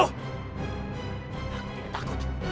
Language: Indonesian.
aku tidak takut